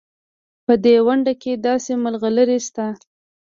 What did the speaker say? په دې ونډه کې داسې ملغلرې شته.